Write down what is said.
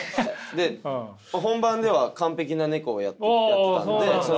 で本番では完璧なネコをやってたんで。